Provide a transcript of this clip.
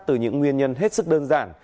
từ những nguyên nhân hết sức đơn giản